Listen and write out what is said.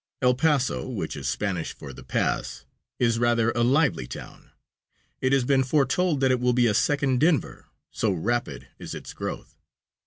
El Paso, which is Spanish for "The Pass," is rather a lively town. It has been foretold that it will be a second Denver, so rapid is its growth.